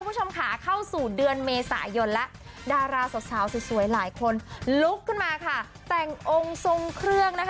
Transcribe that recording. ทุกคุณผู้ชมขาเข้าสู่เดือนเมษายนและดาราสาวสวยหลายคนลุกขึ้นมาฝ่ายให้แต่งองค์ทรงเครื่อง